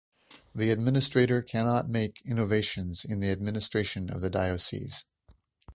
The administrator cannot make innovations in the administration of the diocese.